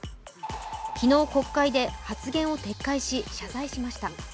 昨日、国会で発言を撤回し謝罪しました。